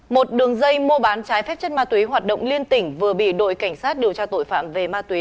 một đường dây mua bán trái phép chất ma túy hoạt động liên tỉnh vừa bị đội cảnh sát điều tra tội phạm về ma túy